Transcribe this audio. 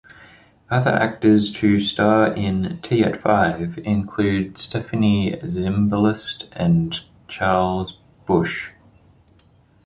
Other actors to star in "Tea at Five" include Stephanie Zimbalist and Charles Busch.